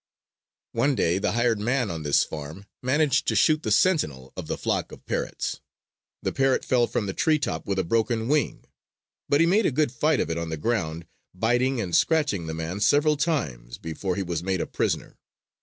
One day the hired man on this farm managed to shoot the sentinel of the flock of parrots. The parrot fell from the tree top with a broken wing. But he made a good fight of it on the ground, biting and scratching the man several times before he was made a prisoner.